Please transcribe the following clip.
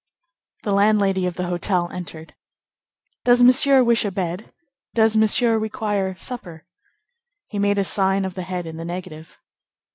The landlady of the hotel entered. "Does Monsieur wish a bed? Does Monsieur require supper?" He made a sign of the head in the negative.